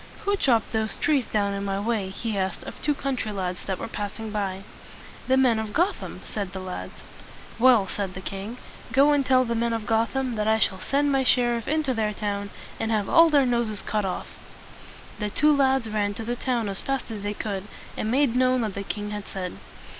"Who chopped those trees down in my way?" he asked of two country lads that were passing by. "The men of Gotham," said the lads. "Well," said the king, "go and tell the men of Gotham that I shall send my sher iff into their town, and have all their noses cut off." The two lads ran to the town as fast as they could, and made known what the king had said.